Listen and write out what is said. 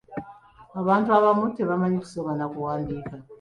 Abantu abamu tebamanyi kusoma na kuwandiika.